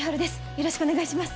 よろしくお願いします。